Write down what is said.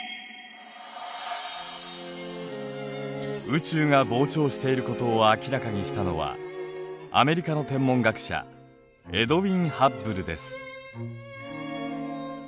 宇宙が膨張していることを明らかにしたのはアメリカの天文学者エドウィン・ハッブルです。